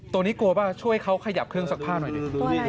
ตัวนี้กลัวป่ะช่วยเขาขยับเครื่องซักผ้าหน่อยดิ